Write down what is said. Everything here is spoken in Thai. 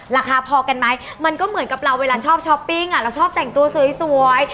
ราคาพอกันไหมมันก็เหมือนกับเราเวลาชอบช้อปปิ้งเราชอบแต่งตัวสวย